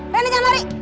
reina jangan lari